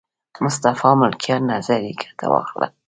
مصطفی ملکیان نظریې ګټه واخلم.